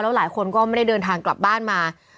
หลายคนก็ไม่ได้เดินทางกลับบ้านมา